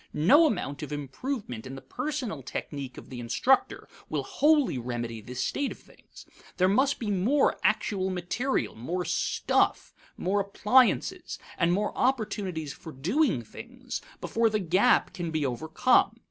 No amount of improvement in the personal technique of the instructor will wholly remedy this state of things. There must be more actual material, more stuff, more appliances, and more opportunities for doing things, before the gap can be overcome.